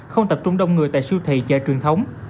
không tập trung đông người tại siêu thị chợ truyền thống